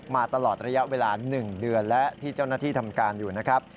มาตลอดระยะเวลา๑เดือนและที่เจ้าหน้าที่ทำการอยู่นะครับ